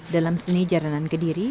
dalam seni jalanan ke diri